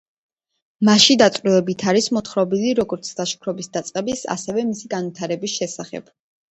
მასში დაწვრილებით არის მოთხრობილი როგორც ლაშქრობის დაწყების, ასევე მისი განვითარების შესახებ.